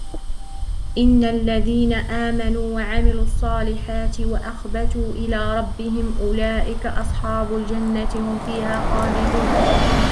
إِنَّ الَّذِينَ آمَنُوا وَعَمِلُوا الصَّالِحَاتِ وَأَخْبَتُوا إِلَى رَبِّهِمْ أُولَئِكَ أَصْحَابُ الْجَنَّةِ هُمْ فِيهَا خَالِدُونَ